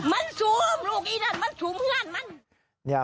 มันสูงลูกอีดันมันสูงมัน